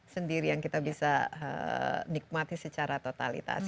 sendiri yang kita bisa nikmati secara totalitas